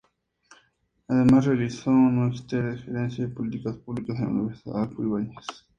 Además, realizó un Magíster en Gerencia y Políticas Públicas en la Universidad Adolfo Ibáñez.